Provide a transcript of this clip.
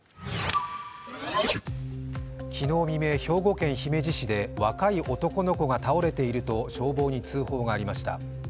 昨日未明、兵庫県姫路市で若い男の子が倒れていると消防に通報がありました。